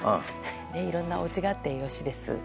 いろんなおうちがあってよろしいです。